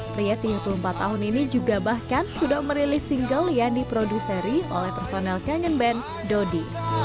pria tiga puluh empat tahun ini juga bahkan sudah merilis single yang diproduseri oleh personel kangen band dodi